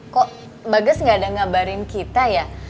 kok bages gak ada ngabarin kita ya